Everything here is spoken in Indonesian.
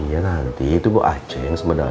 iya nanti itu buat aceh yang sepeda